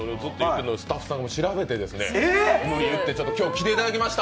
スタッフさんが調べて無理言って今日、来ていただきました。